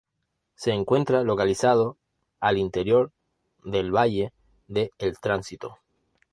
Se encuentra localizado al interior del Valle de El Tránsito.